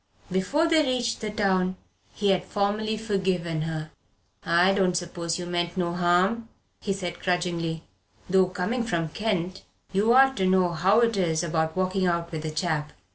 Before they reached the town he had formally forgiven her. "I don't suppose you meant no harm," he said grudgingly; "though coming from Kent you ought to know how it is about walking out with a chap.